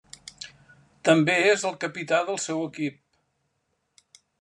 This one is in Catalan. També és el capità del seu equip.